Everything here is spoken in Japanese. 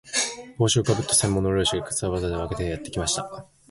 簔帽子をかぶった専門の猟師が、草をざわざわ分けてやってきました